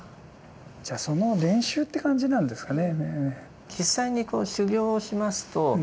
その練習って感じなんですかね。